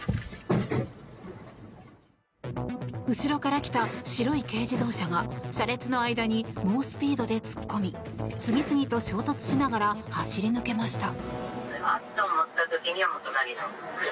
後ろから来た、白い軽自動車が車列の間に猛スピードで突っ込み次々と衝突しながら走り抜けました。